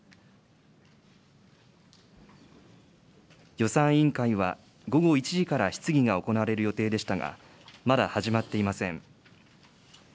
予算委員会は午後１時から質疑が行われる予定でしたが、まだ始まっていません。